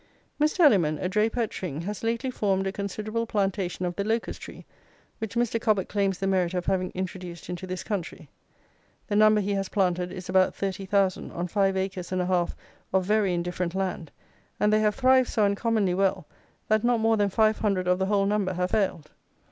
"Mr. Elliman, a draper at Tring, has lately formed a considerable plantation of the locust tree, which Mr. Cobbett claims the merit of having introduced into this country. The number he has planted is about 30,000, on five acres and a half of very indifferent land, and they have thrived so uncommonly well, that not more than 500 of the whole number have failed.